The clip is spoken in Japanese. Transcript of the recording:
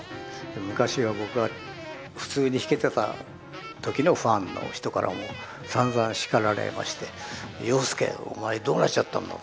昔は僕が普通に弾けてた時のファンの人からもさんざん叱られまして「洋輔お前どうなっちゃったんだ。